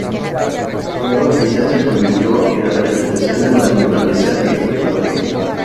Su nueva afición se convirtió en la preservación de la naturaleza y la fotografía.